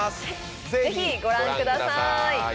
是非ご覧ください！